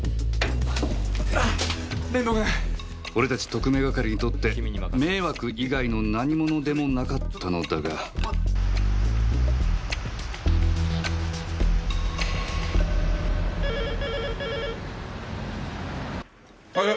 俺たち特命係にとって迷惑以外の何ものでもなかったのだがはいよ！